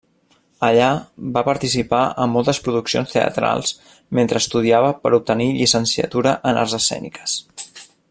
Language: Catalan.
Allà va participar en moltes produccions teatrals mentre estudiava per obtenir llicenciatura en Arts Escèniques.